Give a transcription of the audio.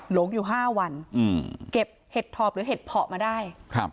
หลงอยู่ห้าวันอืมเก็บเห็ดถอบหรือเห็ดเพาะมาได้ครับ